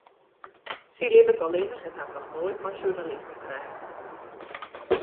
Sy libbet allinnich en hat noch noait mei sjoernalisten praat.